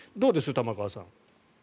玉川さん。